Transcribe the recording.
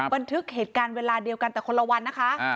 บันทึกเหตุการณ์เวลาเดียวกันแต่คนละวันนะคะ